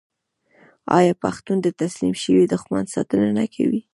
آیا پښتون د تسلیم شوي دښمن ساتنه نه کوي؟